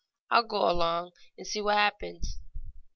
I'll go along and see what happens."